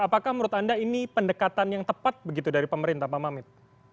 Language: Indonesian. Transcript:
apakah menurut anda ini pendekatan yang tepat begitu dari pemerintah pak mamit